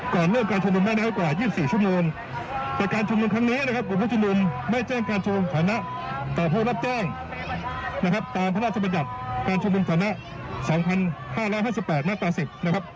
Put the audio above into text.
ขอส่งทาธารณะ๒๕๕๘มาตร๑๐